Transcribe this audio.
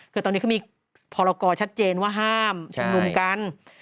คือตอนนี้เขามีพรกรชัดเจนว่าห้ามชุมนุมกัน